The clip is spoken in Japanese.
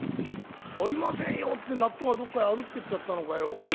「ありませんよって納豆がどっかへ歩ってっちゃったのかよ」。